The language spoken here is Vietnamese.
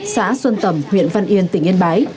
xã xuân tầm huyện văn yên tỉnh yên bái